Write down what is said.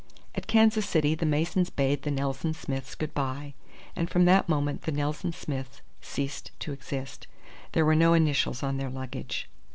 At Kansas City the Masons bade the Nelson Smiths good bye. And from that moment the Nelson Smiths ceased to exist. There were no initials on their luggage.